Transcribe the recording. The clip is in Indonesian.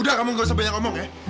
udah kamu gak usah banyak ngomong ya